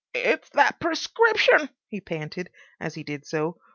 "It's that prescription," he panted, as he did so.